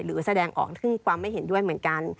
หรือแสดงออกถึงความไม่เห็นด้วยเหมือนกัน